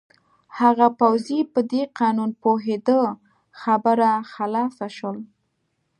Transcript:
هغه پوځي په دې قانون پوهېده، خبره خلاصه شول.